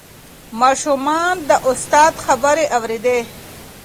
ماشومان د استاد خبرې اورېدې.